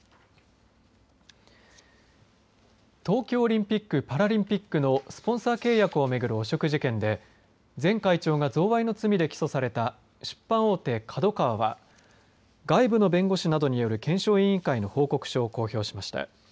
東京オリンピック・パラリンピックのスポンサー契約を巡る汚職事件で前会長が贈賄の罪で起訴された出版大手ＫＡＤＯＫＡＷＡは外部の弁護士などによる検証委員会の報告書を公表しました。